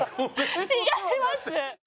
違います！